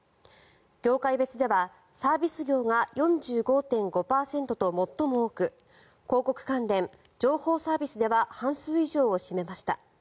業界別では、サービス業が４５．５％と最も多く広告関連、情報サービスでは半数以上を占めました。